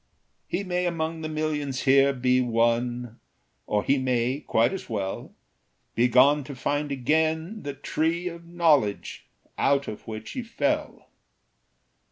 He may among the millions here Be one; or he may, quite as well, Be gone to find again the Tree Of Knowledge, out of which he fell.